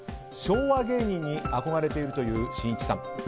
昭和芸人に憧れているというしんいちさん。